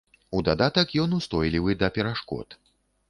У дадатак ён устойлівы да перашкод.